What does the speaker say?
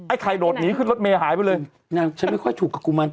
ไข่โดดหนีขึ้นรถเมย์หายไปเลยนางฉันไม่ค่อยถูกกับกุมัน